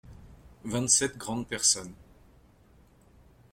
Vingt-sept grandes personnes.